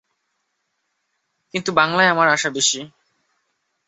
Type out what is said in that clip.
কিন্তু বাঙলায় আমার আশা বেশী।